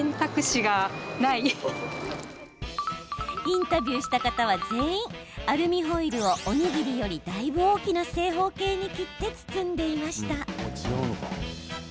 インタビューした方は全員アルミホイルを、おにぎりよりだいぶ大きな正方形に切って包んでいました。